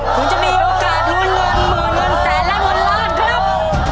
คุณจะมีโอกาสรุนเริ่มหมดเงินแสนและหมดล้านครับ